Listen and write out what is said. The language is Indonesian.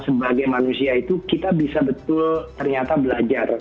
sebagai manusia itu kita bisa betul ternyata belajar